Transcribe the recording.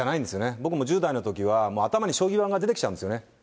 僕も１０代のときは頭に将棋盤が出てきちゃうんですよね。